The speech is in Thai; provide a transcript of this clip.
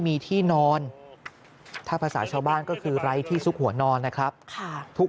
มีที่นอนถ้าภาษาชาวบ้านก็คือไร้ที่ซุกหัวนอนนะครับค่ะทุก